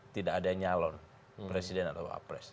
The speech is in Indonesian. tidak ada nyalon presiden atau cawapres